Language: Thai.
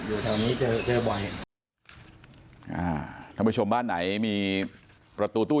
อยู่แถวนี้เจอเจอบ่อยอ่าท่านผู้ชมบ้านไหนมีประตูตู้